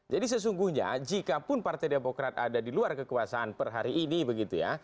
sesungguhnya jikapun partai demokrat ada di luar kekuasaan per hari ini begitu ya